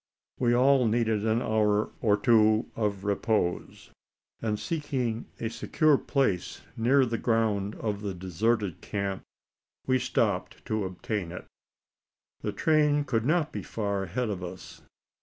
We all needed an hour or two of repose; and, seeking a secure place near the ground of the deserted camp, we stopped to obtain it. The train could not be far ahead of us.